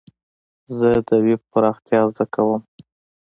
زه د ويب پراختيا زده کوم.